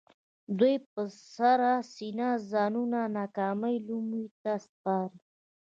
دوی په سړه سينه ځانونه د ناکامۍ لومو ته سپاري.